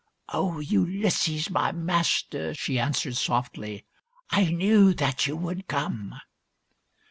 " O Ulysses, my master," she answered softly, " I knew that you would come."